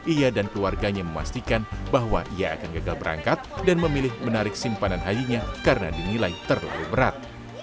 ia dan keluarganya memastikan bahwa ia akan gagal berangkat dan memilih menarik simpanan hajinya karena dinilai terlalu berat